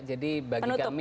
jadi bagi kami